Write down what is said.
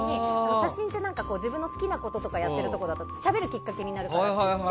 写真って自分の好きなこととかやっていることがしゃべるきっかけになるから。